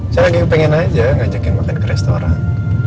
saya lagi pengen aja ngajakin makan ke restoran